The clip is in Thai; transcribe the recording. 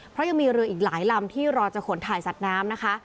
เพราะยังมีเรืออีกหลายลำที่รอจะขนถ่ายสัตว์น้ำนะคะ